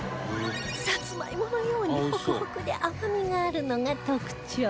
サツマイモのようにホクホクで甘みがあるのが特徴